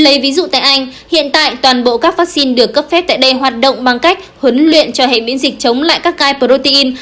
lấy ví dụ tại anh hiện tại toàn bộ các vaccine được cấp phép tại đây hoạt động bằng cách huấn luyện cho hệ biến dịch chống lại các cai protein